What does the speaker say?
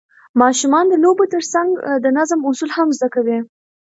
ماشومان د لوبو ترڅنګ د نظم اصول هم زده کوي